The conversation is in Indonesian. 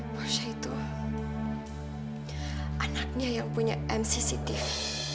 posnya itu anaknya yang punya mcc tv